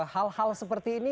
hal hal seperti ini